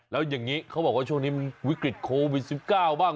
แล้วอย่างนี้เขาบอกว่าช่วงนี้มันวิกฤตโควิด๑๙บ้าง